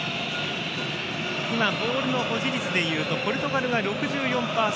ボールの保持率でいうとポルトガルが６４％。